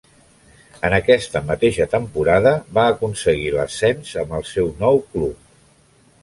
En aquesta mateixa temporada va aconseguir l'ascens amb el seu nou club.